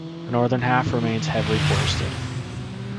The northern half remains heavily forested.